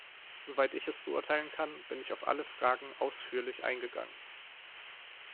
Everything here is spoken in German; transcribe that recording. Soweit ich es beurteilen kann, bin ich auf alle Fragen ausführlich eingegangen.